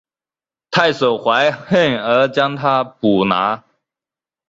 太守怀恨而将他捕拿。